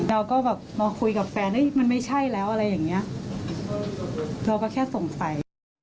เราก็แบบมาคุยกับแฟนเฮ้ยมันไม่ใช่แล้วอะไรอย่างเงี้ยเราก็แค่สงสัย